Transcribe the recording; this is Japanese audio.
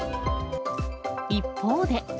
一方で。